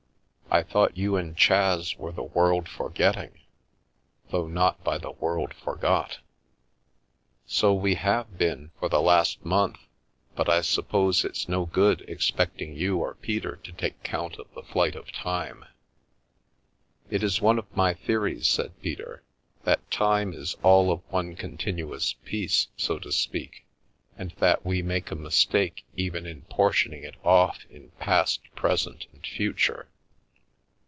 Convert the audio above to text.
" I thought you and Chas were the world for getting, though not by the world forgot." " So we have been, for the last month, but I suppose it's no good expecting you or Peter to take count of the flight of time/' "It is one of my theories," said Peter, " that time is all of one continuous piece, so to speak, and that we make a mistake even in portioning it off in past, present and future.